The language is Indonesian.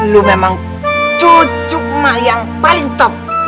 lu memang cucu mak yang paling top